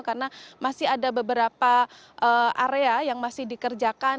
karena masih ada beberapa area yang masih dikerjakan